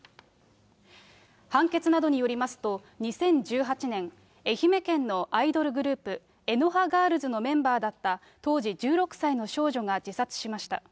判決などによりますと、２０１８年、愛媛県のアイドルグループ、えの葉ガールズのメンバーだった当時１６歳の少女が自殺しました。